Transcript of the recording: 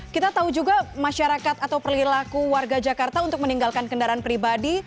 kita tahu juga masyarakat atau perilaku warga jakarta untuk meninggalkan kendaraan pribadi